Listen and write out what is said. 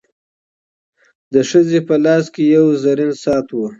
د ښځي په لاس کي یو زرین ساعت و.